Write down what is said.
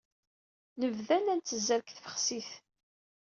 Nebda la ntezzer deg tfexsit.